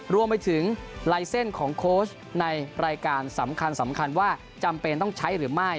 รวมไปถึงลายเส้นของโค้ชในรายการสำคัญว่าจำเป็นต้องใช้หรือไม่